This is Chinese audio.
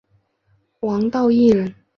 王道义人。